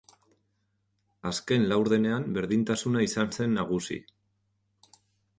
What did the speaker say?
Azken laurdenean berdintasuna izan zen nagusi.